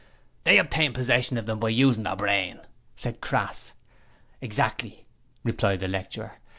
'They obtained possession of them by usin' their brain,' said Crass. 'Exactly,' replied the lecturer.